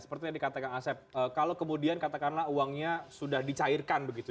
seperti yang dikatakan asep kalau kemudian katakanlah uangnya sudah dicairkan begitu